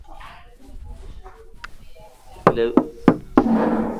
Vile viguo vizuri alivyokuwa akinunuliwa kila mara alitanabahi